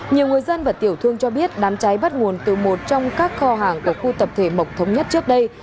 nhiều người dân và tiểu thương cho biết đám cháy bắt nguồn từ một trong các kho hàng của khu tập thể mộc thống nhất trước đây